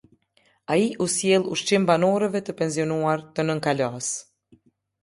Ai u sjellë ushqim banorëve të pensionuar të nënkalasë.